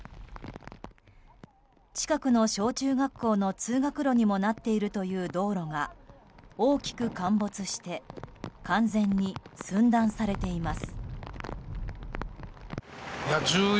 近くの小中学校の通学路にもなっているという道路が大きく陥没して完全に寸断されています。